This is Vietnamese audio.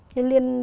cái liên lạc